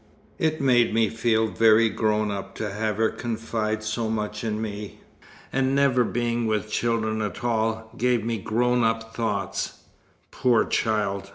It made me feel very grown up to have her confide so much in me: and never being with children at all, gave me grown up thoughts." "Poor child!"